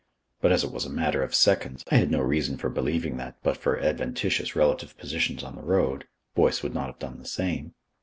But as it was a matter of seconds, I had no reason for believing that, but for adventitious relative positions on the road, Boyce would not have done the same....